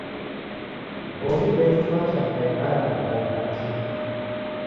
W'omi w'engi w'acha w'ikaendagha na w'ai w'atini.